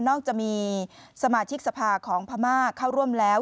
อกจะมีสมาชิกสภาของพม่าเข้าร่วมแล้ว